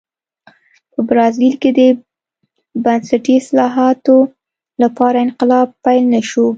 په برازیل کې د بنسټي اصلاحاتو لپاره انقلاب پیل نه شو.